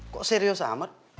kok serius amat